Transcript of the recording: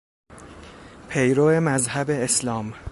پیرو مذهب اسلام